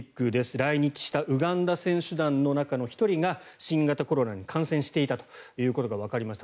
来日したウガンダ選手団の中の１人が新型コロナに感染していたということがわかりました。